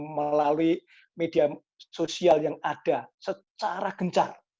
melalui media sosial yang ada secara gencar